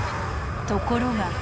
ところが。